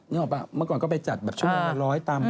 นึกออกปะเมื่อก่อนก็ไปจัดแบบชั่วโลยตั้ม